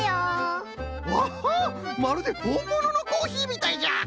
まるでほんもののコーヒーみたいじゃ！